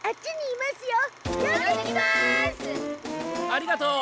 ありがとう。